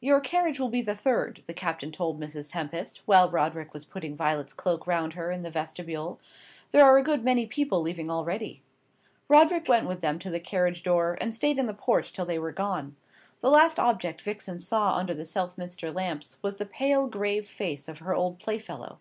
"Your carriage will be the third," the captain told Mrs. Tempest, while Roderick was putting Violet's cloak round her in the vestibule; "there are a good many people leaving already." Roderick went with them to the carriage door, and stayed in the porch till they were gone. The last object Vixen saw under the Southminster lamps was the pale grave face of her old playfellow.